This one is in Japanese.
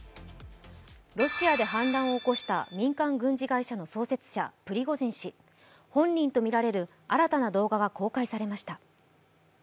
ロシアで反乱を起こした民間軍事会社の創設者・プリゴジン氏について本人とみられる新たな動画が公開されました。